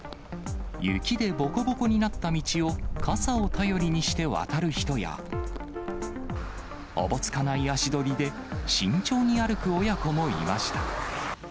雪でぼこぼこになった道を、傘を頼りにして渡る人や、おぼつかない足取りで慎重に歩く親子もいました。